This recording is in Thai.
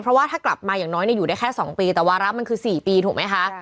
เพราะว่าถ้ากลับมาอย่างน้อยอยู่ได้แค่๒ปีแต่วาระมันคือ๔ปีถูกไหมคะ